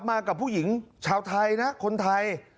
มากับผู้หญิงชาวไทยนะคนไทย